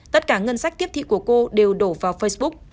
tất cả ngân sách tiếp thị của cô đều đổ vào facebook